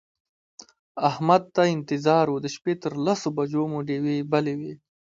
احمد ته انتظار و د شپې تر لسو بجو مو ډېوې بلې وې.